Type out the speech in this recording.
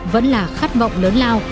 vẫn là khát vọng lớn lao